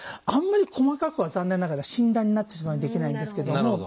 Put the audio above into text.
あんまり細かくは残念ながら診断になってしまうのでできないんですけども。